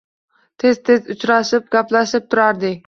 Tez-tez uchrashib, gaplashib turardik